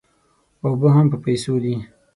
اوبه هم په پیسو دي.